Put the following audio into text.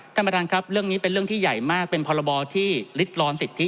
ท่านประธานครับเรื่องนี้เป็นเรื่องที่ใหญ่มากเป็นพรบที่ลิดลอนสิทธิ